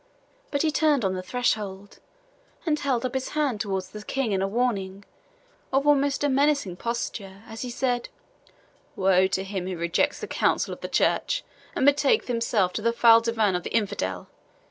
But he turned on the threshold, and held up his hand towards the King in a warning, or almost a menacing posture, as he said, "Woe to him who rejects the counsel of the church, and betaketh himself to the foul divan of the infidel!